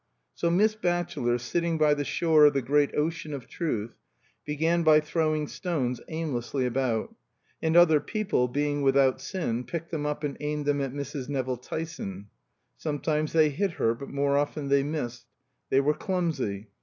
So Miss Batchelor, sitting by the shore of the great ocean of Truth, began by throwing stones aimlessly about; and other people (being without sin) picked them up and aimed them at Mrs. Nevill Tyson. Sometimes they hit her, but more often they missed. They were clumsy.